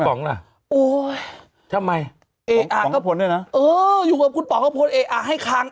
เป็นอะไรคะคุณพันธุ์ใหม่